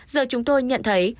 giờ chúng tôi nhận thấy